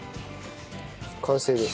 完成です。